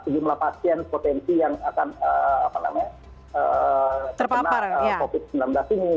jumlah pasien potensi yang akan terkena covid sembilan belas ini